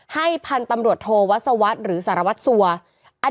ให้พันธุ์ตำรวจโทวัสสวรรค์หรือสารวัสสวรรค์